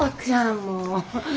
もう。